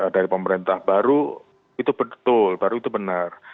dari pemerintah baru itu betul baru itu benar